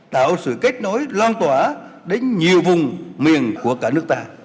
tạo sự kết nối lan tỏa đến nhiều vùng miền của cả nước ta